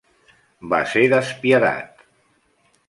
Va ser despiadat!